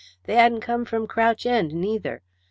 They hadn't come from Crouch End, neither.